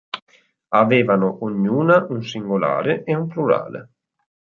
Avevano ognuna un singolare e un plurale.